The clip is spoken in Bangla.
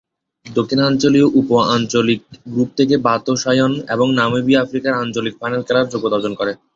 দক্ষিণাঞ্চলীয় উপ আঞ্চলিক গ্রুপ থেকে বতসোয়ানা এবং নামিবিয়া আফ্রিকার আঞ্চলিক ফাইনাল খেলার যোগ্যতা অর্জন করে।